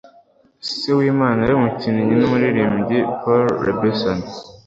Se w'imana yari umukinnyi n'umuririmbyi Paul Robeson